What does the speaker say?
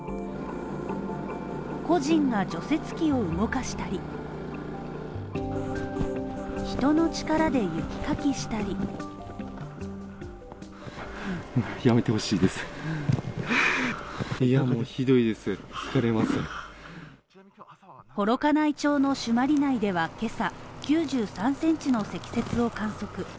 個人が除雪機を動かしたり、人の力で雪かきしたり、幌加内町の朱鞠内では、けさ、９３センチの積雪を観測。